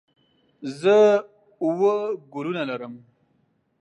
زه اووه ګلونه لرم.